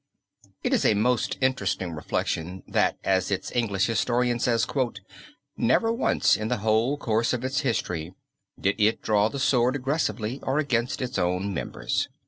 It is a most interesting reflection, that as its English Historian says, "never once in the whole course of its history did it draw the sword aggressively or against its own members."